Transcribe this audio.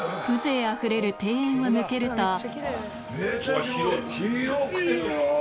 風情あふれる庭園を抜けると。